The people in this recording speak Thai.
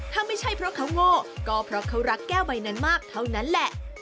ถ้าไม่ใช่เพราะเขาโง่ก็เพราะเขารักแก้วใบนั้นมากเท่านั้นแหละ